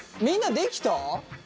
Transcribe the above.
みんなできた？